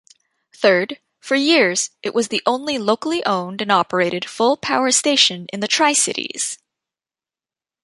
Third, for years it was the only locally owned-and-operated full-power station in the Tri-Cities.